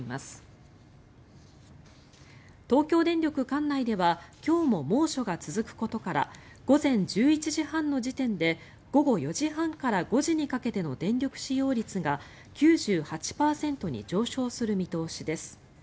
管内では今日も猛暑が続くことから午前１１時半の時点で午後４時半から５時にかけての電力使用率が９８％に上昇する見通しです。